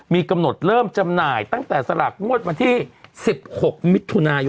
มีกำหนดเริ่มจำหน่ายตั้งแต่สลากงวดวันที่๑๖มิถุนายน